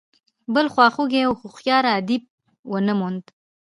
بل خواخوږی او هوښیار ادیب ونه موند.